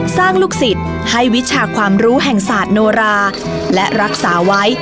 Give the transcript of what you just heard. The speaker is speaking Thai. ลูกศิษย์ให้วิชาความรู้แห่งศาสตร์โนราและรักษาไว้